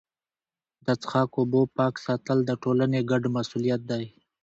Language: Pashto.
د څښاک اوبو پاک ساتل د ټولني ګډ مسوولیت دی.